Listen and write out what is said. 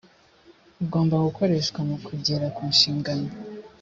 ugomba gukoreshwa mu kugera ku nshingano